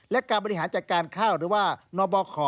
และการบริหารจากการเคร่าล์หรือว่าหน่อบอกขอ